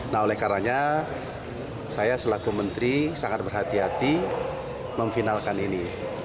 nah oleh karanya saya selaku menteri sangat berhati hati memfinalkan ini